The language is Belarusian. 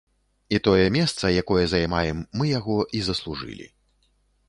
І тое месца, якое займаем, мы яго і заслужылі.